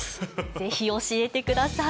ぜひ教えてください。